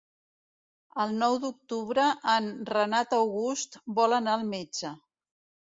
El nou d'octubre en Renat August vol anar al metge.